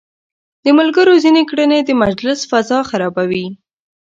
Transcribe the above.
د ملګرو ځينې کړنې د مجلس فضا خرابوي.